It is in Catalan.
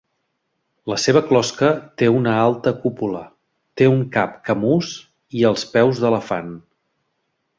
La seva closca té una alta cúpula, té un cap camús, i els peus d'elefant.